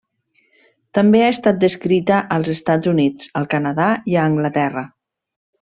També ha estat descrita als Estats Units, al Canadà i a Anglaterra.